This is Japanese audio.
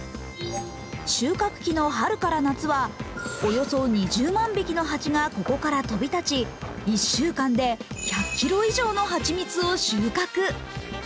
収穫期の春から夏はおよそ２０万匹の蜂がここから飛び立ち１週間で１００ｋｇ以上の蜂蜜を収穫。